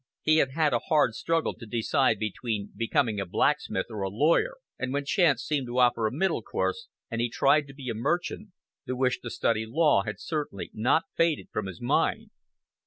He had had a hard struggle to decide between becoming a blacksmith or a lawyer; and when chance seemed to offer a middle course, and he tried to be a merchant, the wish to study law had certainly not faded from his mind.